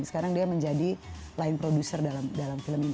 sekarang dia menjadi line producer dalam film ini